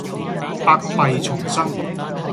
百弊叢生